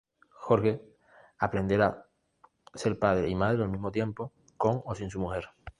Jorge aprenderá ser padre y madre al mismo tiempo, con o sin su mujer.